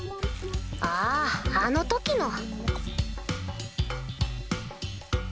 あああの時の。